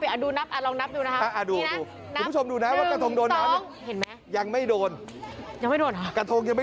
โอ้โหโอ้โหโอ้โห